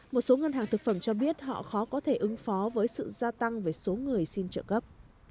một số ngân hàng thực phẩm cho biết họ khó có thể ứng phó với sự gia tăng về số người xin trợ cấp